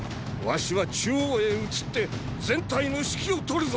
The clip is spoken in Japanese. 儂は中央へ移って全体の指揮をとるぞ！